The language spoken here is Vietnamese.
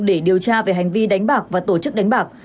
để điều tra về hành vi đánh bạc và tổ chức đánh bạc